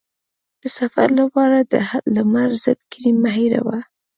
د سفر لپاره د لمر ضد کریم مه هېروه.